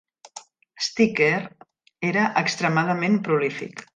Striker era extremadament prolífic.